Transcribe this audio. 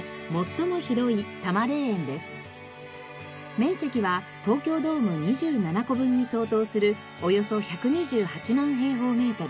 面積は東京ドーム２７個分に相当するおよそ１２８万平方メートル。